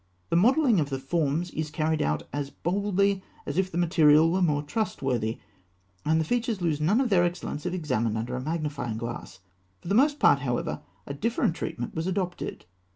The modelling of the forms is carried out as boldly as if the material were more trustworthy, and the features lose none of their excellence if examined under a magnifying glass. For the most part, however, a different treatment was adopted.